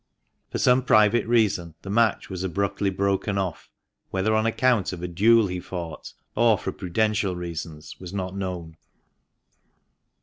For some private reason the match was abruptly broken off; whether on account of a duel he fought or for prudential reasons was not known.